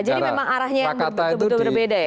jadi memang arahnya yang betul betul berbeda ya